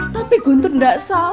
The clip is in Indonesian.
tapi guntur gak salah